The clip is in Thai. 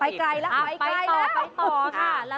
ไปไกลละไปไกลละ